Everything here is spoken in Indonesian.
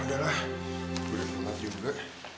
udah lah gue udah selesai juga